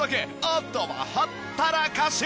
あとはほったらかし！